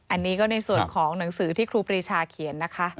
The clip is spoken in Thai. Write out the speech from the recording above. อันนี้ก็ในส่วนของหนังสือที่ครูปรีชาเขียนนะคะ